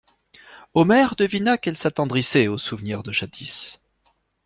Omer devina qu'elle s'attendrissait au souvenir de jadis.